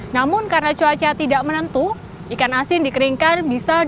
namun karena cuaca tidak menentu ikan asin dikeringkan bisa dua kali